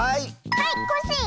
はいコッシー！